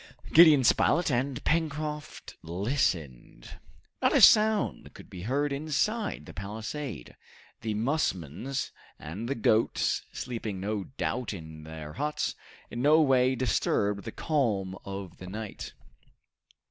Gideon Spilett and Pencroft listened. Not a sound could be heard inside the palisade. The musmons and the goats, sleeping no doubt in their huts, in no way disturbed the calm of night.